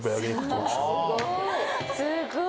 すごい！